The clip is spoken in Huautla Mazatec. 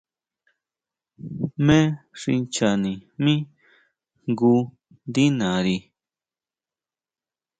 Jmé xi nchanijmí jngu ndí nari.